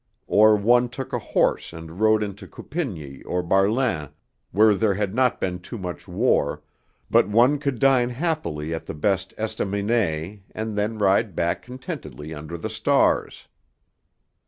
Or one took a horse and rode into Coupigny or Barlin where there had not been too much war, but one could dine happily at the best estaminet, and then ride back contentedly under the stars.